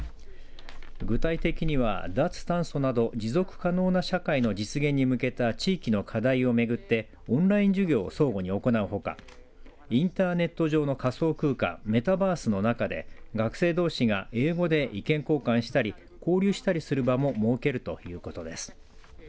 具体的には脱炭素など持続可能な社会の実現に向けた地域の課題を巡ってオンライン授業を相互に行うほかインターネット上の仮想空間メタバースの中で学生どうしが英語で意見交換したり交流したりする場も設けるということです。